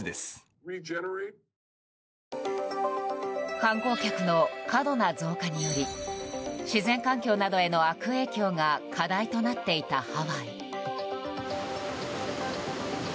観光客の過度な増加により自然環境などへの悪影響が課題となっていたハワイ。